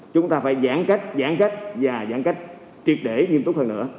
chúng ta phải giãn cách giãn cách và giãn cách triệt để nghiêm túc hơn nữa